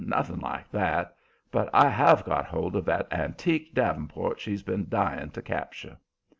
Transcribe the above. "Nothing like that. But I have got hold of that antique davenport she's been dying to capture."